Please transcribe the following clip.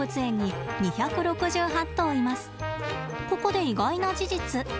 ここで意外な事実。